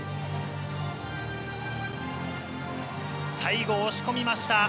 最後、押し込みました。